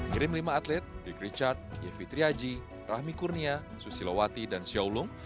kirim lima atlet dirk richard yevi triaji rahmi kurnia susilo wati dan xiao lung